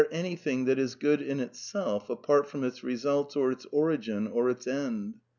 ^^nything that is good in itself, apart from its results or its origin, or its end